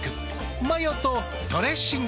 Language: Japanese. マヨとドレッシングで。